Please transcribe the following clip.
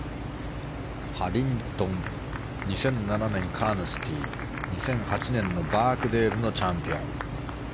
ハリントン、カーヌスティ２００８年のバークデールのチャンピオン。